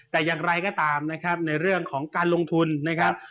แต่อย่างไรก็ตามนะครับในเรื่องของการลงทุนนะครับ